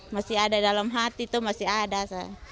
masih ada dalam hati itu masih ada